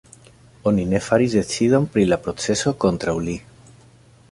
Oni ne faris decidon pri la proceso kontraŭ li.